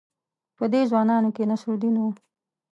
په دې ځوانانو کې نصرالدین وو.